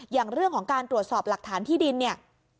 อย่างเรื่องของการตรวจสอบหลักฐานที่ดินเนี่ย